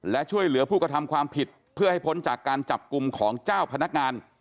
และช่วยเหลือผู้กระทำความผิดเพื่อให้พ้นจากการจับกลุ่มของเจ้าพนักงาน